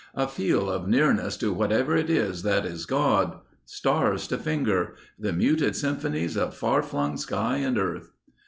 A feel of nearness to whatever it is that is God. Stars to finger. The muted symphonies of farflung sky and earth.